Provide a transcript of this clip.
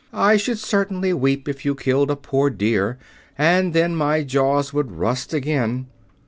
"I should certainly weep if you killed a poor deer, and then my jaws would rust again."